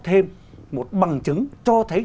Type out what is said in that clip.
thêm một bằng chứng cho thấy